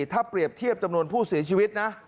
ถ้าเปรียบเทียบจำนวนผู้เสียชีวิตนะ